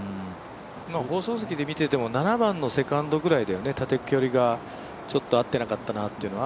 放送席で見てても７番のセカンドぐらいだよね、縦距離がちょっと合ってなかったかなというのは。